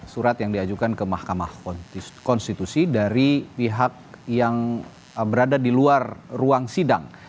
surat yang diajukan ke mahkamah konstitusi dari pihak yang berada di luar ruang sidang